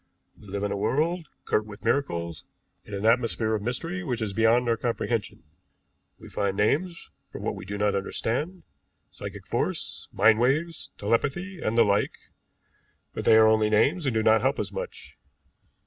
We live in a world girt with miracles, in an atmosphere of mystery which is beyond our comprehension. We find names for what we do not understand, psychic force, mind waves, telepathy, and the like, but they are only names and do not help us much.